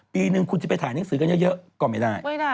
ปีนึงคุณจะไปถ่ายหนังสือกันเยอะก็ไม่ได้